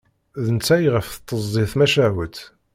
D netta i ɣef tettezzi tmacahut.